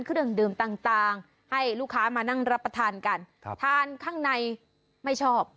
เครื่องดื่มต่างให้ลูกค้ามานั่งรับประทานกันทานข้างในไม่ชอบ